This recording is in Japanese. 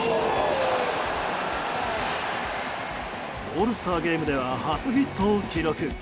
オールスターゲームでは初ヒットを記録。